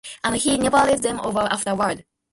And he never read them over afterward.